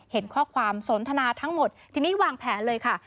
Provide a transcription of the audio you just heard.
เห็นข้อความสนทนาทั้งหมดทีนี้วางแผนเลยค่ะ